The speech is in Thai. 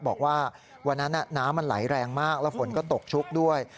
บอกว่าวันนั้นน้ำมันไหลแรงมากแล้วฝนก็ตกชุกด้วย